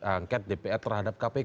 angket dpr terhadap kpk